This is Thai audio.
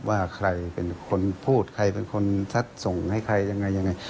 ว่าใครเป็นคนพูดใครเป็นคนซัดส่งให้ใครยังไงยังไง